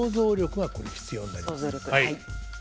想像力はい。